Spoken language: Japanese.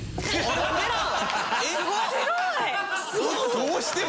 どうしても？